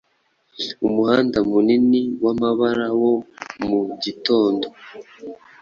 Umuhanda munini wamabara wo mu gitondo